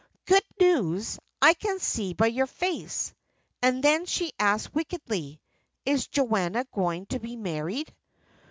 "Good news, I can see by your face." And then she asked wickedly, "Is Joanna going to be married?"